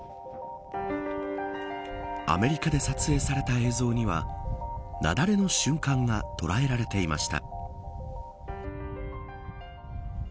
アメリカで撮影された映像には雪崩の瞬間が捉えられていました。